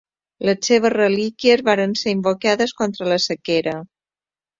Les seves relíquies van ser invocades contra la sequera.